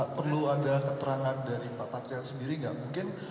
perlu ada keterangan dari pak patrial sendiri nggak mungkin